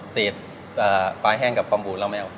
เสร็จปลายแห้งกับความบูดเราไม่เอา